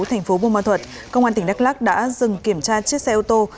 thành phố bông ma thuật công an tỉnh đắk lóc đã dừng kiểm tra chiếc xe ô tô